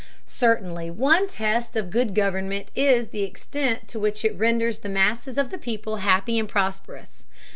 Certainly one test of good government is the extent to which it renders the masses of the people happy and prosperous.